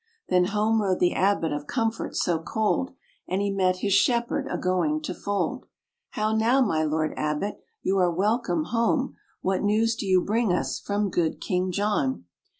Then home rode the abbot of comfort so cold, And he met his shepherd a going to fold : "How now, my lord abbot, you are welcome home; What news do you bring us from good King John?"